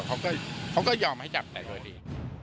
เขาก็ยอมให้จับแต่โดยดี